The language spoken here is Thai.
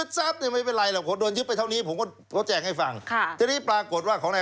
ถ้าเดี๋ยวจะหาว่าในชูวิตไม่พูดของตัวเองเลย